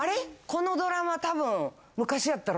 このドラマ多分。